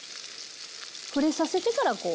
触れさせてからこう。